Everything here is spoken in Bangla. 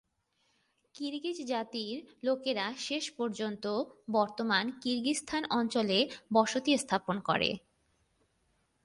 কিরগিজ জাতির লোকেরা শেষ পর্যন্ত বর্তমান কিরগিজস্তান অঞ্চলে বসতি স্থাপন করে।